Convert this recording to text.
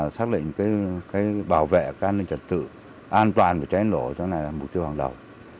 xác định cái bảo vệ cái an ninh trật tự an toàn của trái nổ đó là mục tiêu hàng đầu